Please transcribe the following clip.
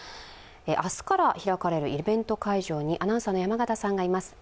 明日から開かれるイベント会場にアナウンサーの山形さんがいます。